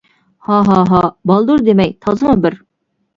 -ھا ھا ھا. بالدۇر دېمەي، تازىمۇ بىر.